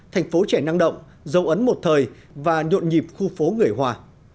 tp trẻ năng động dâu ấn một thời và nhuộn nhịp khu phố người hòa